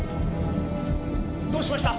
どうしました？